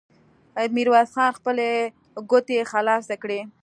ميرويس خان خپلې ګوتې خلاصې کړې.